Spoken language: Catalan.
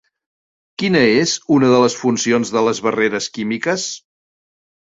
Quina és una de les funcions de les barreres químiques?